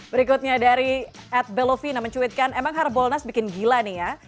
berikutnya dari ad belovina mencuitkan emang harbolnas bikin gila nih ya